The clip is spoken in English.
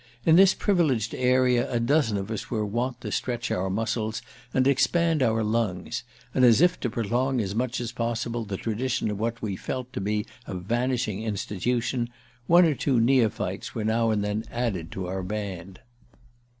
In this privileged area a dozen of us were wont to stretch our muscles and expand our lungs; and, as if to prolong as much as possible the tradition of what we felt to be a vanishing institution, one or two neophytes were now and then added to our band.